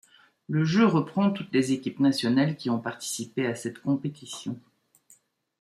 Le jeu reprend toutes les équipes nationales qui ont participé à cette compétition.